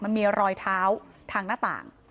มันมีรอยเท้าทางหน้าต่าง